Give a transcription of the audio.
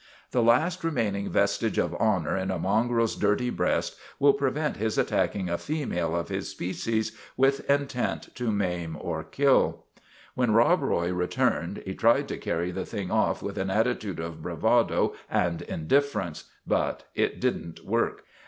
The last remaining vestige of honor in a mongrel's dirty breast will prevent his attacking a female of his species with intent to maim or kill. " When Rob Roy returned he tried to carry the thing off with an attitude of bravado and indiffer ence ; but it did n't work.